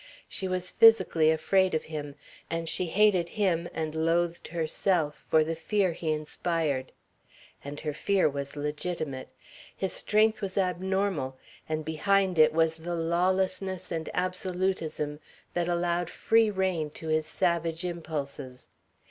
She was physically afraid of him, and she hated him and loathed herself for the fear he inspired. And her fear was legitimate. His strength was abnormal, and behind it was the lawlessness and absolutism that allowed free rein to his savage impulses.